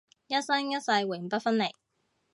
一生一世永不分離